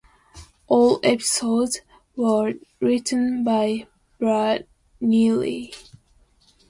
All episodes were written by Brad Neely.